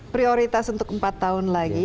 prioritas untuk empat tahun lagi